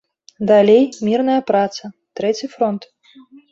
Далей мірная праца, трэці фронт.